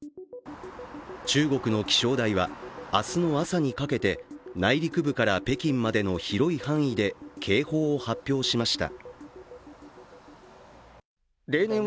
中国の気象台は明日の朝にかけて内陸部から北京までの広い範囲で警報を発表しました。